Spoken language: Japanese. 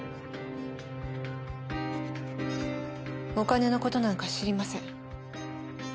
お金の事なんか知りません。